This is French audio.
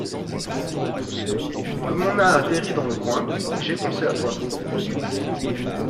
Comme on a atterri dans le coin, j’ai pensé à toi.